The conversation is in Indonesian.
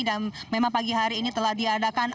dan memang pagi hari ini telah diadakan